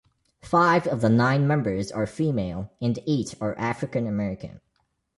Five of the nine members are female and eight are African American.